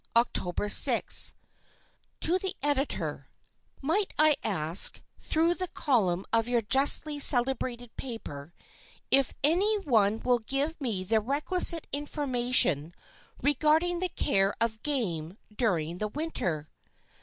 Oct. 6. To the Editor: Might I ask, through the column of your justly celebrated paper, if any one will give me the requisite information regarding the care of game during the winter?